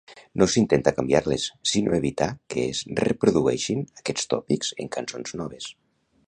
No s'intenta canviar-les, sinó evitar que es reprodueixin aquests tòpics en cançons noves.